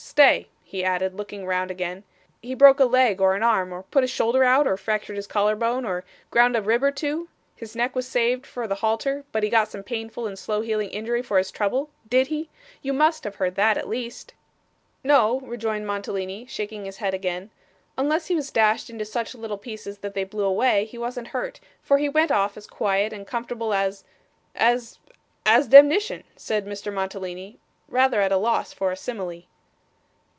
Stay,' he added, looking round again. 'He broke a leg or an arm, or put his shoulder out, or fractured his collar bone, or ground a rib or two? His neck was saved for the halter, but he got some painful and slow healing injury for his trouble? Did he? You must have heard that, at least.' 'No,' rejoined Mantalini, shaking his head again. 'Unless he was dashed into such little pieces that they blew away, he wasn't hurt, for he went off as quiet and comfortable as as as demnition,' said Mr. Mantalini, rather at a loss for a simile.